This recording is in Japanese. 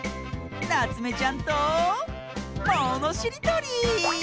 なつめちゃんとものしりとり！